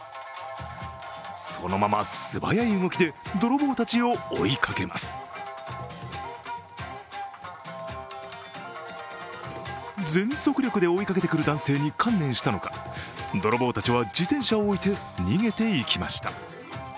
そのまま素早い動きで泥棒たちを追いかけます全速力で追いかけてくる男性に観念したのか泥棒たちは自転車を置いて逃げていきました。